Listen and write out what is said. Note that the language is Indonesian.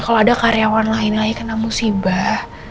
kalau ada karyawan lain lagi kena musibah